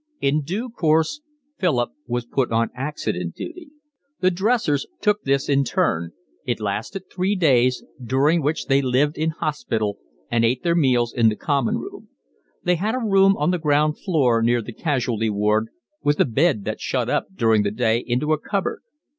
In due course Philip was put on accident duty. The dressers took this in turn; it lasted three days, during which they lived in hospital and ate their meals in the common room; they had a room on the ground floor near the casualty ward, with a bed that shut up during the day into a cupboard.